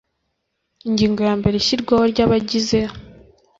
ingingo ya mbere ishyirwaho ry abagize